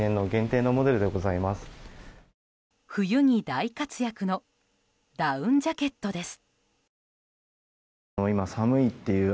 冬に大活躍のダウンジャケットです。